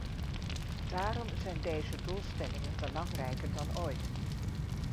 Daarom zijn deze doelstellingen belangrijker dan ooit.